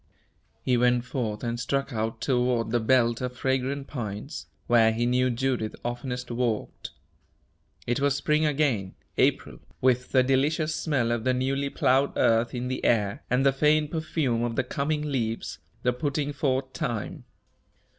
He went forth and struck out toward the belt of fragrant pines, where he knew Judith oftenest walked. It was spring again April, with the delicious smell of the newly plowed earth in the air, and the faint perfume of the coming leaves the putting forth time.